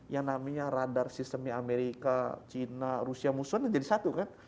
yang namanya radar sistemnya amerika china rusia musuhnya jadi satu kan